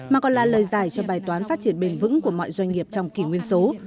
mà còn là lời giải cho bài toán phát triển bền vững của mọi doanh nghiệp trong kỷ nguyên số